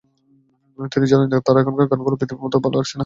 তিনি জানান, তার এখানকার গানগুলো পৃথিবীর মত ভাল লাগছে না।